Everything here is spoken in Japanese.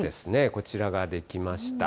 こちらが出来ました。